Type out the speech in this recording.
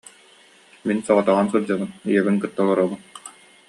Мин соҕотоҕун сылдьабын, ийэбин кытта олоробун